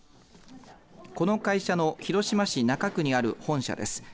この会社の広島市中区にある本社です。